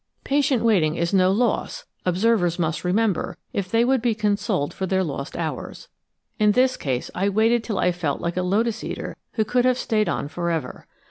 Patient waiting is no loss, observers must remember if they would be consoled for their lost hours. In this case I waited till I felt like a lotus eater who could have stayed on forever.